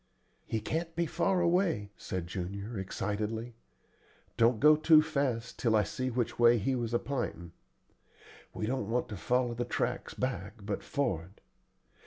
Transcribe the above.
"He can't be far away," said Junior, excitedly. "Don't go too fast till I see which way he was a p'intin'. We don't want to follow the tracks back, but for'ard.